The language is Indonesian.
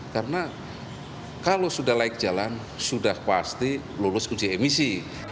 karena kalau sudah like jalan sudah pasti lolos uji emisi